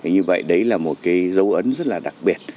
như vậy đấy là một cái dấu ấn rất là đặc biệt